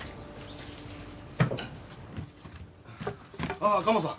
ああカモさん。